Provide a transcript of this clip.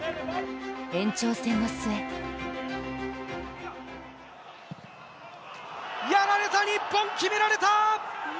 延長戦の末やられた日本、決められた！